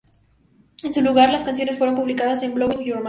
En su lugar, las canciones fueron publicadas en "Blowin' Your Mind!